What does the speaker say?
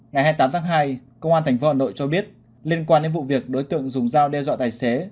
ngày hai mươi tám tháng hai công an tp hà nội cho biết liên quan đến vụ việc đối tượng dùng dao đe dọa tài xế